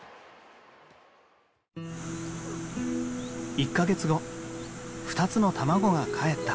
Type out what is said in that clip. １カ月後２つの卵がかえった。